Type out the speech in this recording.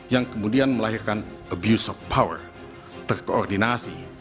yang kemudian melahirkan abuse of power terkoordinasi